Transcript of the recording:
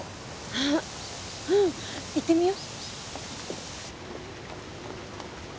ああうん行ってみよう。